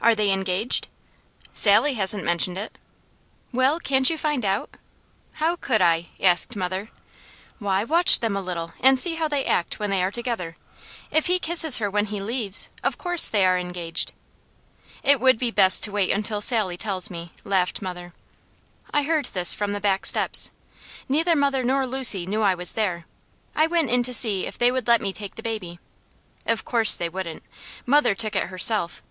"Are they engaged?" "Sally hasn't mentioned it." "Well, can't you find out?" "How could I?" asked mother. "Why, watch them a little and see how they act when they are together. If he kisses her when he leaves, of course they are engaged." "It would be best to wait until Sally tells me," laughed mother. I heard this from the back steps. Neither mother nor Lucy knew I was there. I went in to see if they would let me take the baby. Of course they wouldn't! Mother took it herself.